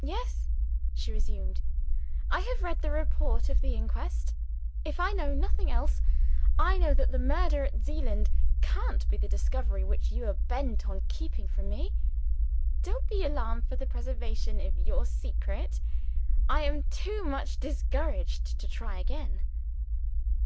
"Yes," she resumed, "I have read the report of the inquest. If I know nothing else, I know that the murder at Zeeland can't be the discovery which you are bent on keeping from me. Don't be alarmed for the preservation of your secret! I am too much discouraged to try again."